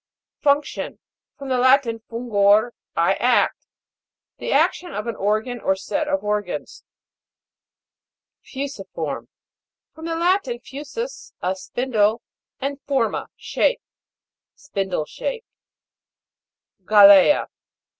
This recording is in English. FUNC'TION. From the Latin, fungor, I act. The action of an organ or set of organs. FU'SIFORM. From the Latin, fusus, a spindle, and forma, shape. Spin die shaped. GALE'A.